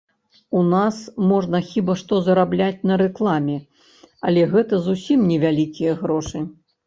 У нас можна хіба што зарабляць на рэкламе, але гэта зусім не вялікія грошы.